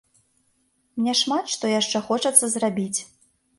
Мне шмат што яшчэ хочацца зрабіць.